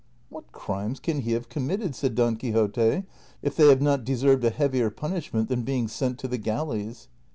'' What crimes can he have committed," said Don Quixote, " if they have not deserved a heavier punishment than being sent to the galleys